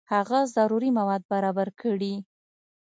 هغه ضروري مواد برابر کړي.